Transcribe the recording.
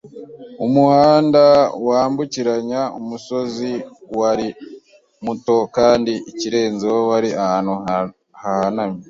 Umuhanda wambukiranya umusozi wari muto, kandi ikirenzeho, wari ahantu hahanamye.